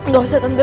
gak usah tante